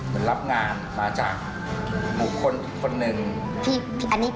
เขาก็ยังรู้สึกแบบ